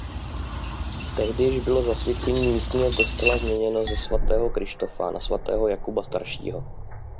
Tehdy již bylo zasvěcení místního kostela změněno ze svatého Kryštofa na svatého Jakuba Staršího.